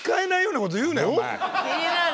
気になる。